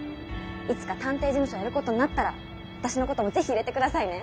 いつか探偵事務所やることになったら私のこともぜひ入れて下さいね。